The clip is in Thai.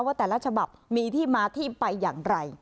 ว่าแต่ละฉบับมีที่มาที่ไปอย่างไร